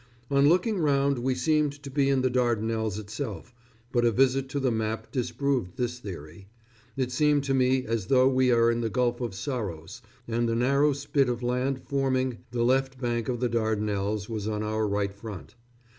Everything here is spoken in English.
On looking round we seemed to be in the Dardanelles itself, but a visit to the map disproved this theory. It seems to me as though we are in the Gulf of Saros, and the narrow spit of land forming the left bank of the Dardanelles was on our right front.